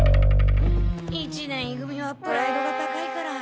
一年い組はプライドが高いから。